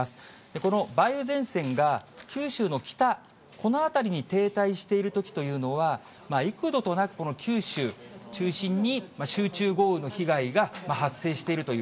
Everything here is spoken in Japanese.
この梅雨前線が九州の北、この辺りに停滞しているときというのは、幾度となく九州中心に、集中豪雨の被害が発生しているという。